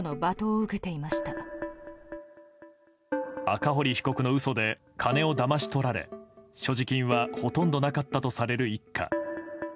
赤堀被告の嘘で金をだまし取られ所持金はほとんどなかったとされる一家。